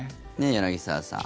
柳澤さん